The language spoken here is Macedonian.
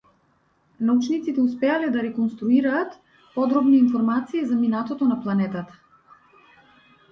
Научниците успеале да реконструираат подробни информации за минатото на планетата.